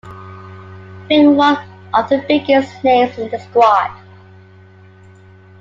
Being one of the biggest names in the squad.